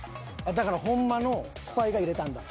だからほんまのスパイが入れたんだ。